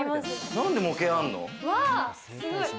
何で模型あんの？